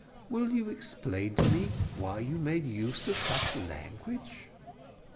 Will you explain to me why you made use of such language?"